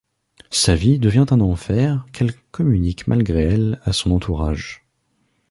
Sa vie devient un enfer qu'elle communique malgré elle à son entourage.